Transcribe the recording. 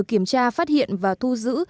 kiểm tra phát hiện và thu giữ